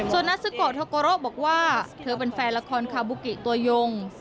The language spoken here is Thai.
ส่วนนัสซุโกโทโกโร่บอกว่าเธอเป็นแฟนละครคาบุกิตัวยง